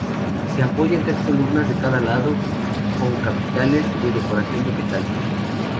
Se apoya en tres columnas a cada lado, con capiteles de decoración vegetal.